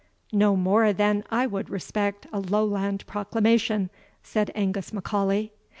"No more than I would respect a Lowland proclamation," said Angus M'Aulay.